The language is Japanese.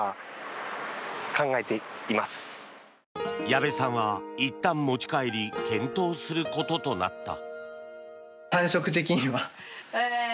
矢部さんはいったん持ち帰り検討することとなった。